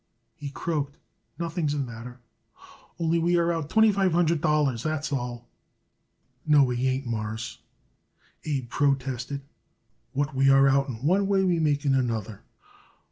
he croaked. "Nothing's the matter. Only, we are out twenty five hundred dollars. That's all." "No, we ain't, Mawruss," Abe protested. "What we are out in one way we make in another."